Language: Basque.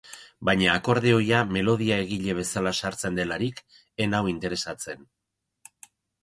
Baina akordeoia melodia-egile bezala sartzen delarik, ez nau interesatzen.